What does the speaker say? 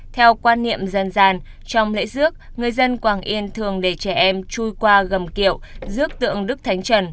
theo quan niệm dân gian trong lễ dước người dân quảng yên thường để trẻ em chui qua gầm kiệu rước tượng đức thánh trần